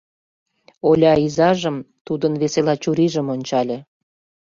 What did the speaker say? — Оля изажым, тудын весела чурийжым ончале.